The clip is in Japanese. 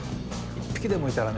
一匹でもいたらね